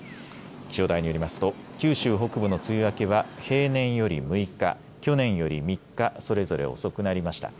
気象台によりますと九州北部の梅雨明けは平年より６日、去年より３日、それぞれ遅くなりました。